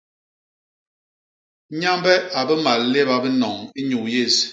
Nyambe a bimal léba binoñ inyuu yés.